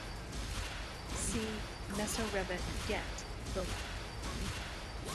See "Mesorevet get" below.